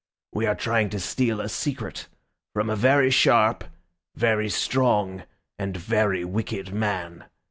We are trying to steal a secret from a very sharp, very strong, and very wicked man.